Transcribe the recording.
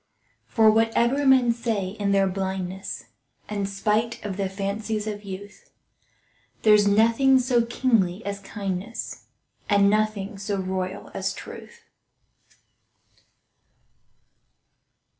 For whatever men say in their blindness, And spite of the fancies of youth, There's nothing so kingly as kindness, And nothing so royal as truth.